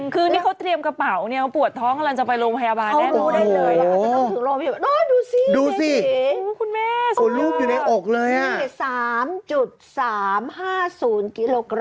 คือนี่เขาเตรียมกระเป๋าเพราะปวดท้องกำลังจะไปโรงพยาบาลได้